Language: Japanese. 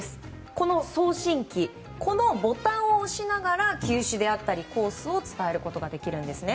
この送信機このボタンを押しながら球種であったり、コースを伝えることができるんですね。